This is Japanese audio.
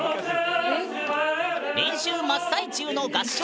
練習真っ最中の合唱曲